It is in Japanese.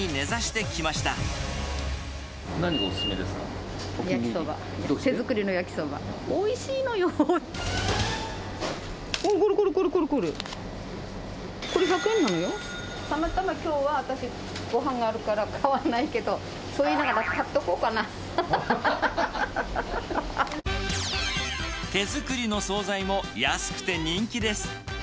たまたまきょうは私、ごはんがあるから買わないけど、手作りの総菜も安くて人気です。